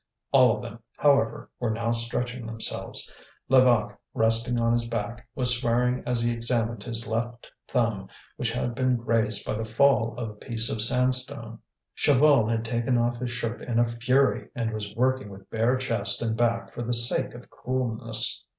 All of them, however, were now stretching themselves. Levaque, resting on his back, was swearing as he examined his left thumb which had been grazed by the fall of a piece of sandstone. Chaval had taken off his shirt in a fury, and was working with bare chest and back for the sake of coolness.